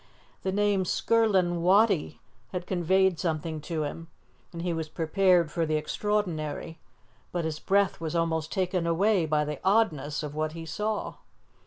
The name 'Skirlin' Wattie' had conveyed something to him, and he was prepared for the extraordinary, but his breath was almost taken away by the oddness of what he saw.